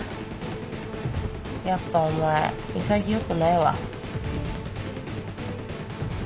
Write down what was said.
やっぱお前潔くないわ。